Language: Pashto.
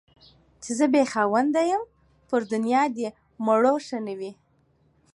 چي زه بې خاونده يم ، پر دنيا دي مړوښه نه وي.